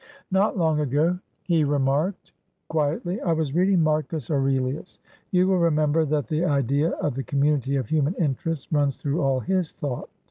"Not long ago," he remarked, quietly, "I was reading Marcus Aurelius. You will remember that the idea of the community of human interests runs through all his thought.